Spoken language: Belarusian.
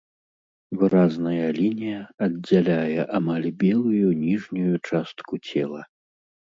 Выразная лінія аддзяляе амаль белую ніжнюю частку цела.